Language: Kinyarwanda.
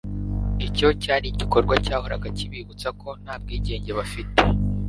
Icyo cyari igikorwa cyahoraga kibibutsa ko nta bwigenge bafite.